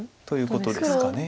ということですか。